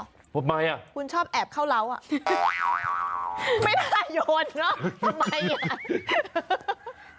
ทำไมอ่ะคุณชอบแอบเข้าเล้าอ่ะไม่น่าโยนเนอะทำไมอ่ะ